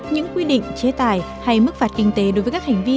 những quy định chế tài hay mức phạt kinh tế đối với các hành vi